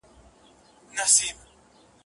زما زړګیه زما جانانه در واري سم کندهاره